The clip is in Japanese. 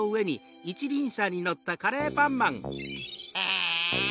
え。